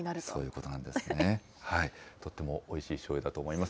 とってもおいしいしょうゆだと思います。